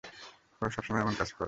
ও সব সময় এমন কাজ করে।